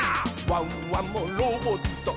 「ワンワンもロボット」